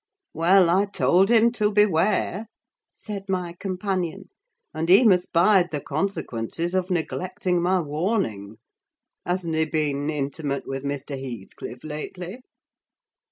"Well, I told him to beware," said my companion; "and he must bide the consequences of neglecting my warning! Hasn't he been intimate with Mr. Heathcliff lately?"